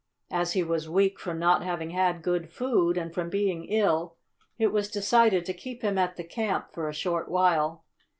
As he was weak from not having had good food, and from being ill, it was decided to keep him at the camp for a short while.